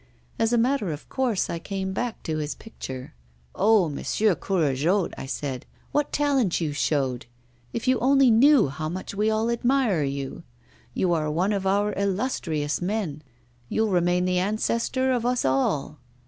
As a matter of course, I came back to his picture. "Oh, Monsieur Courajod," said I, "what talent you showed! If you only knew how much we all admire you. You are one of our illustrious men; you'll remain the ancestor of us all."